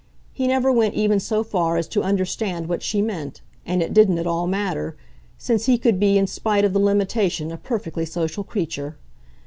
He never went even so far as to understand what she meant, and it didn't at all matter, since he could be in spite of the limitation a perfectly social creature.